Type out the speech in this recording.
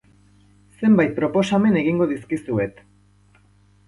Zenbait proposamen egingo dizkizuet.